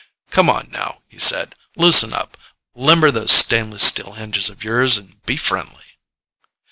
"Come on now," he said, "loosen up! Limber those stainless steel hinges of yours and be friendly."